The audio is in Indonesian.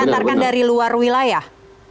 diantarkan dari luar wilayah